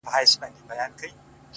د کلي سيند راته هغه لنده خيسته راوړې-